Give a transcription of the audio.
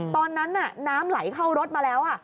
ตอนนั้นน้ำไหลเข้ารถมาแล้ว